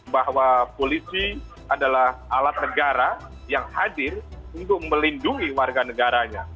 bahwa polisi adalah alat negara yang hadir untuk melindungi warga negaranya